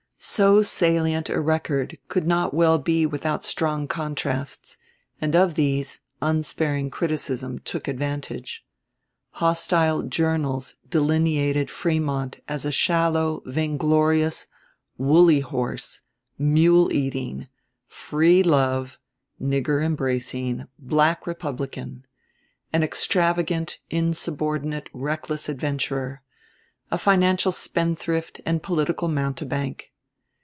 So salient a record could not well be without strong contrasts, and of these unsparing criticism took advantage. Hostile journals delineated Frémont as a shallow, vainglorious, "woolly horse," "mule eating," "free love," "nigger embracing" black Republican; an extravagant, insubordinate, reckless adventurer; a financial spendthrift and political mountebank.